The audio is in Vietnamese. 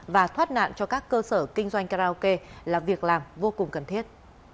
và thoát nạn cho các cơ sở kinh doanh karaoke là việc làm vô cùng cần thiết